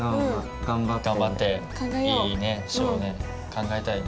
頑張っていい書をね考えたいね。